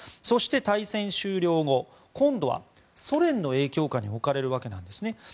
そして、大戦終了後今度はソ連の影響下に置かれるわけなんですね。